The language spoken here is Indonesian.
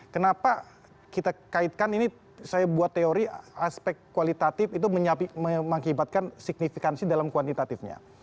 kenapa kita kaitkan ini saya buat teori aspek kualitatif itu mengakibatkan signifikansi dalam kuantitatifnya